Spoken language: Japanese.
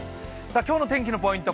今日の天気のポイント